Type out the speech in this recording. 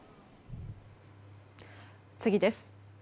次です。